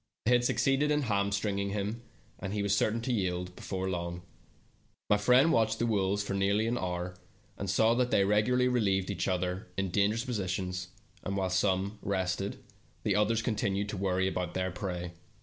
They had succeeded in hamstringing him, and he was certain to yield before long. My friend watched the wolves for nearly an hour, and saw that they regularly relieved each other in dangerous positions, and while some rested, the others continued to worry their prey.